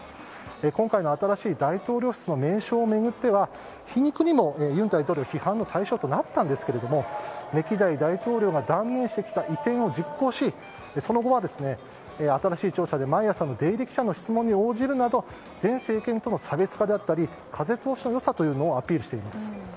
今回の新しい大統領室の名称を巡っては皮肉にも尹大統領が批判の対象となったんですが歴代大統領が断念してきた移転を実行しその後は、新しい庁舎で毎日記者の質問に応じるなど前政権との差別化や風通しの良さをアピールしています。